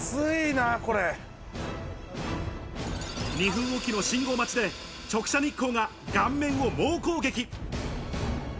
２分おきの信号待ちで直射日光が顔面を猛攻撃。